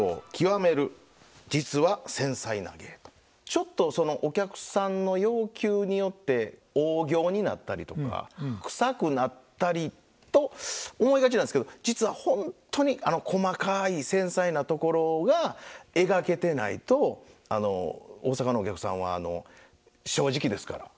ちょっとお客さんの要求によって大仰になったりとか臭くなったりと思いがちなんですけど実はほんとに細かい繊細なところが描けてないと大阪のお客さんは正直ですから。